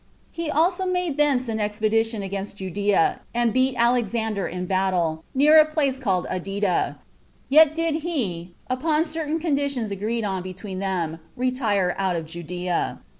He also made thence an expedition against Judea, and beat Alexander in battle, near a place called Adida; yet did he, upon certain conditions agreed on between them, retire out of Judea.